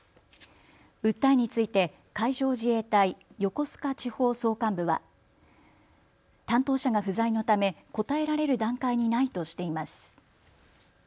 訴えについて海上自衛隊横須賀地方総監部は担当者が不在のため答えられる段階にないとしています。